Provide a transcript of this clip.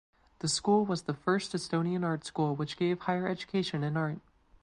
The school was the first Estonian art school which gave higher education in art.